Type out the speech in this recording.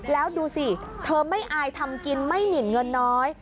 แล้วดูสิเธอไม่อายทำกินไม่หมินเงินน้อย